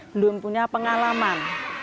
belum punya pengalaman